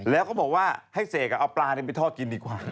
แล้วก็บอกว่าให้เสกเอาปลาไปทอดกินดีกว่า